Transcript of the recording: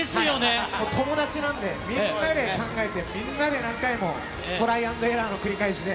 もう友達なんで、みんなで考えて、みんなで何回も、トライアンドエラーの繰り返しで。